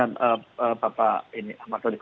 ini adalah hal yang sangat penting